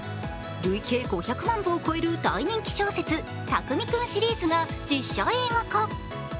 累計５００万部を超える大人気小説、「タクミくんシリーズ」が実写映画化。